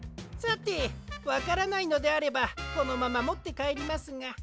さてわからないのであればこのままもってかえりますが。